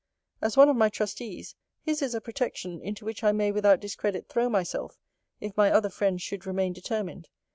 As one of my trustees, his is a protection, into which I may without discredit throw myself, if my other friends should remain determined.